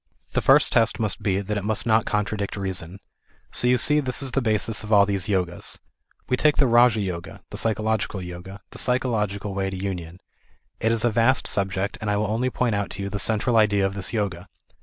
The first test must be that it must not contradict reason. So, you see this is the basis of all these Yogas. We take the Raja Yoga, the psychological Yoga, the psychological way to union. It is a vast subject, and I will only point out to you .the central idea of this Yoga.